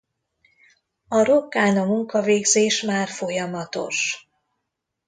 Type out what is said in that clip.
A rokkán a munkavégzés már folyamatos.